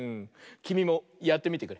きみもやってみてくれ。